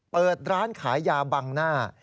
เปิดร้านขายยาบังหน้า